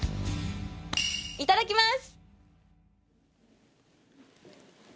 いただきます！